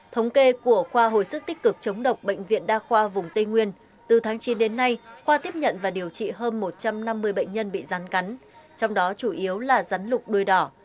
thống kê của khoa hồi sức tích cực chống độc bệnh viện đa khoa vùng tây nguyên từ tháng chín đến nay khoa tiếp nhận và điều trị hơn một trăm năm mươi bệnh nhân bị rắn cắn trong đó chủ yếu là rắn lục đuôi đỏ